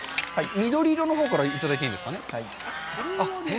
緑色のほうからいただいていいですかね？